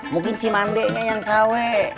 mungkin cimande yang kw